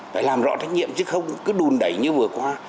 phải làm rõ trách nhiệm chứ không cứ đùn đẩy như vừa qua